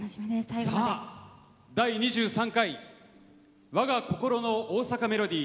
「第２３回わが心の大阪メロディー」。